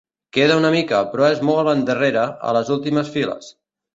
Queda una mica, però és molt endarrere, a les últimes files.